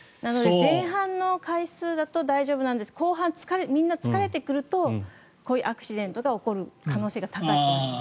前半だと大丈夫なんです後半、みんな疲れてくるとこういうアクシデントが起こる可能性が高くなる。